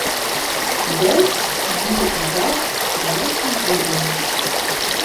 Дождж біў у дах, як у бубен.